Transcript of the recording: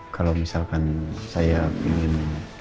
kalau misalkan saya ingin